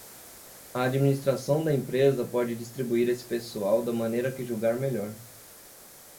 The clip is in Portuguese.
A administração da empresa pode distribuir esse pessoal da maneira que julgar melhor.